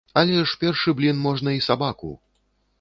Але ж першы блін можна і сабаку.